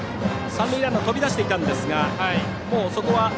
三塁ランナーは飛び出していたんですがそこは。